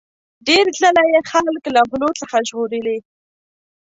ډیر ځله یې خلک له غلو څخه ژغورلي.